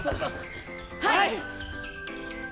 はい！